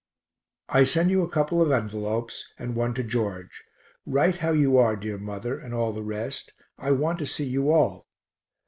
I send you a couple of envelopes, and one to George. Write how you are, dear mother, and all the rest. I want to see you all.